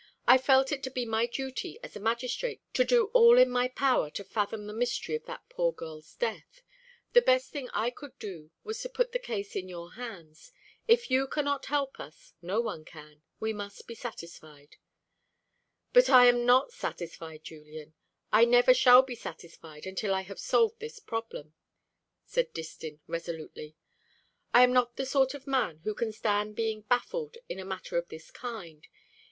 "I felt it to be my duty as a magistrate to do all in my power to fathom the mystery of that poor girl's death. The best thing I could do was to put the case in your hands. If you cannot help us, no one can. We must be satisfied." "But I am not satisfied, Julian; I never shall be satisfied until I have solved this problem," said Distin resolutely. "I am not the sort of man who can stand being baffled in a matter of this kind.